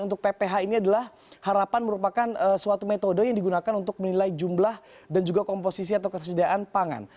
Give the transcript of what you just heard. untuk pph ini adalah harapan merupakan suatu metode yang digunakan untuk menilai jumlah dan juga komposisi atau kesediaan pangan